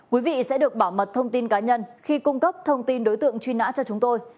quý vị sẽ được bảo mật thông tin cá nhân khi cung cấp thông tin đối tượng truy nã cho chúng tôi